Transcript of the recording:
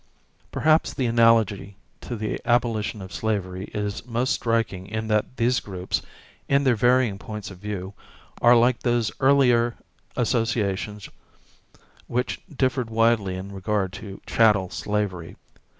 Perhaps the analogy to the abolition of slavery is most striking in that these groups, in their varying points of view, are like those earlier associations which differed widely in regard to chattel slavery.